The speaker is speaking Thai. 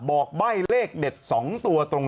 บอกใบ้เลขเด็ด๒ตัวตรง